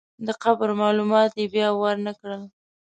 د قبر معلومات یې بیا ورنکړل.